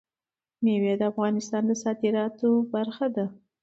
مېوې د افغانستان د صادراتو برخه ده.